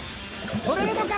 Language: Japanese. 獲れるのか？